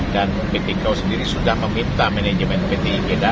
dan pt kau sendiri sudah meminta manajemen pt ikeda